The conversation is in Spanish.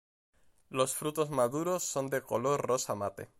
Los frutos maduros son de color rosa mate.